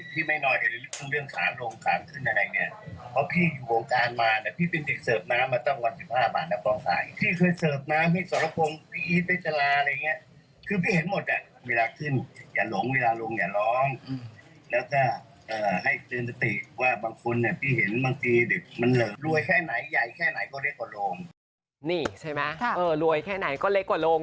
พี่เห็นหมดแล้วเนี่ยเวลาลงไม่ล้มแล้วก็ให้เตือนสติว่าบางคนนึงพี่เห็นบางทีเหลือใหญ่แค่ไหนก็เล็กกว่าโลง